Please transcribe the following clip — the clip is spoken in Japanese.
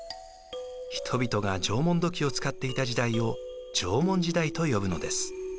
人々が縄文土器を使っていた時代を縄文時代と呼ぶのです。